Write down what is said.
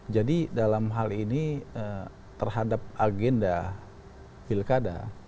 jadi dalam hal ini terhadap agenda pilkada